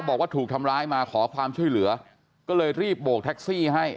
บอกว่าถูกทำร้ายมาขอความช่วยเหลือก็เลยรีบโบกแท็กซี่ให้